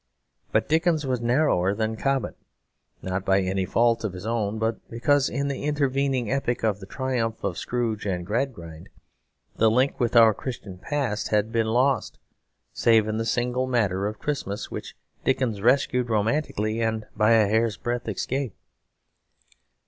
But Dickens was narrower than Cobbett, not by any fault of his own, but because in the intervening epoch of the triumph of Scrooge and Gradgrind the link with our Christian past had been lost, save in the single matter of Christmas, which Dickens rescued romantically and by a hair's breadth escape.